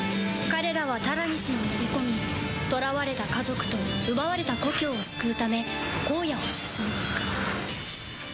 彼らはタラニスに乗り込み捕らわれた家族と奪われた故郷を救うため荒野を進んでいく。